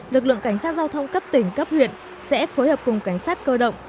lực lượng cảnh sát giao thông cấp tỉnh cấp huyện sẽ phối hợp cùng cảnh sát cơ động